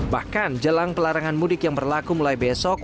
bahkan jelang pelarangan mudik yang berlaku mulai besok